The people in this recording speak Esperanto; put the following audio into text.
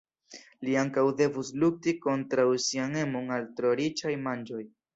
Li ankaŭ devus lukti kontraŭ sian emon al tro riĉaj manĝoj.